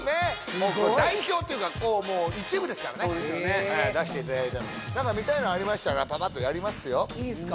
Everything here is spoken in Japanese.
もうこれ代表というか一部ですからね出していただいたんで何か見たいのありましたらパパッとやりますよいいっすか？